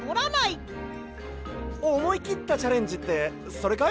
おもいきったチャレンジってそれかい？